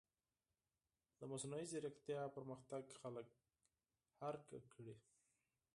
د مصنوعي ځیرکتیا پرمختګ خلک حیران کړي.